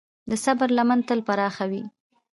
د صبر لمن تل پراخه وي.